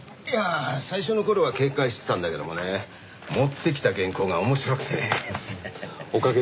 いや最初の頃は警戒してたんだけどもね持ってきた原稿が面白くてね。